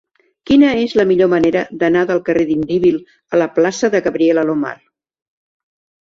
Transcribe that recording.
Quina és la millor manera d'anar del carrer d'Indíbil a la plaça de Gabriel Alomar?